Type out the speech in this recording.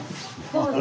どうぞ。